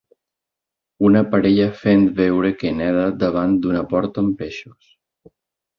Una parella fent veure que neda davant d'una porta amb peixos